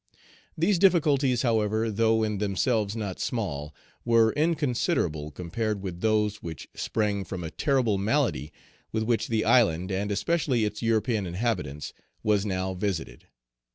These difficulties, however, though in themselves not small, were inconsiderable compared with those which sprang from a terrible malady with which the island, and especially its European inhabitants, was now visited.